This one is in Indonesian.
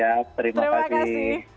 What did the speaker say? ya terima kasih